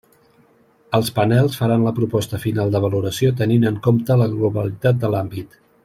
Els panels faran la proposta final de valoració tenint en compte la globalitat de l'àmbit.